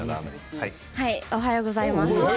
おはようございます。